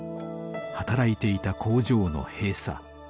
働いていた工場の閉鎖。